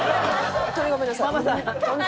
ホントにごめんなさい。